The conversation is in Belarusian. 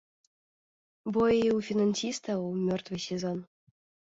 Бо і ў фінансістаў мёртвы сезон.